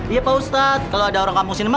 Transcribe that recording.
iya pak ustadz kalau ada orang kampung sini